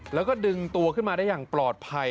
แล้วก็ดึงตัวขึ้นมาได้อย่างปลอดภัย